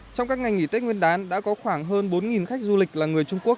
trong các ngày nghỉ tết nguyên đán đã có khoảng hơn bốn khách du lịch là người trung quốc